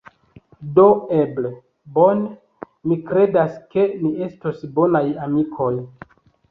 Do eble, bone, mi kredas ke ni estos bonaj amikoj